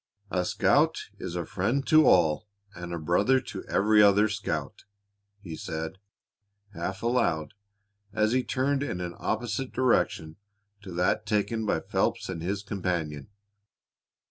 "'A scout is a friend to all and a brother to every other scout,'" he said, half aloud, as he turned in an opposite direction to that taken by Phelps and his companion.